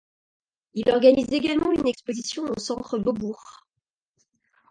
Il organise également une exposition au Centre Beaubourg.